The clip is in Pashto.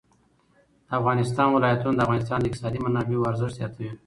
د افغانستان ولايتونه د افغانستان د اقتصادي منابعو ارزښت زیاتوي.